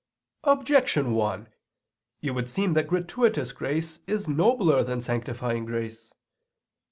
Objection 1: It would seem that gratuitous grace is nobler than sanctifying grace.